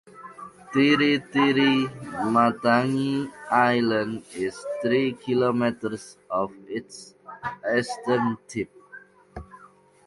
Tiritiri Matangi Island is three kilometres off its eastern tip.